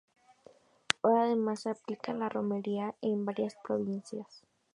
Ahora además replican la Romería en varias provincias.